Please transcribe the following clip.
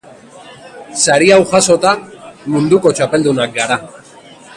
Sari hau jasota, munduko txapeldunak gara.